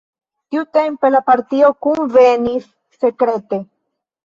Tiutempe la partio kunvenis sekrete.